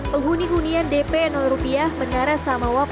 penghuni hunian dp rupiah menara samawa pondok kelapa